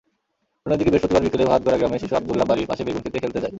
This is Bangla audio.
অন্যদিকে বৃহস্পতিবার বিকেলে ভাতগড়া গ্রামে শিশু আবদুল্লাহ বাড়ির পাশে বেগুনখেতে খেলতে যায়।